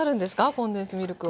コンデンスミルクは。